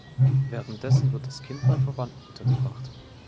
Währenddessen wird das Kind bei Verwandten untergebracht.